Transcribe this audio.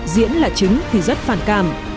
diễn là chứng thì rất phản cảm